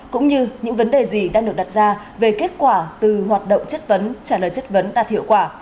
cũng như những vấn đề gì đang được đặt ra về kết quả từ hoạt động chất vấn trả lời chất vấn đạt hiệu quả